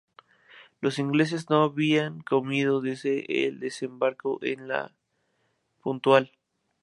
Los ingleses no habían comido desde el desembarco en el Puntal.